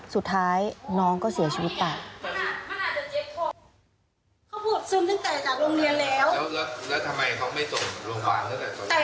สุดท้ายน้องก็เสียชีวิตไป